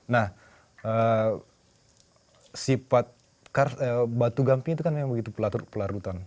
nah sifat batu gamping itu kan yang begitu pelarutan